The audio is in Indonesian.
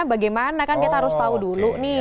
bagaimana kan kita harus tahu dulu nih